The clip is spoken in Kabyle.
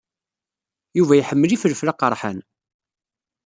Yuba iḥemmel ifelfel aqerḥan.